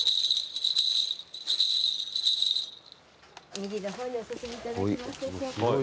右の方にお進みいただけますでしょうか。